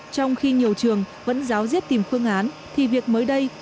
trong khi nhiều trường vẫn giáo diết tìm phương án thì việc mới đây